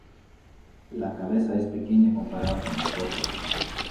La cabeza es pequeña comparada con el cuerpo.